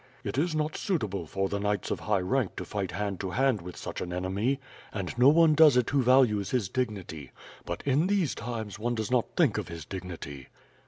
"It is not suitable for the knights of high rank to fight hand to hand with such an enemy, and no one does it who values his dignity. But in these times, one does not think of his dignity.